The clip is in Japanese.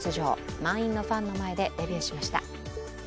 満員のファンの前でデビューしました。